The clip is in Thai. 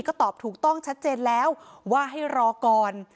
ก็ตอบถูกต้องชัดเจนแล้วว่าให้รอก่อน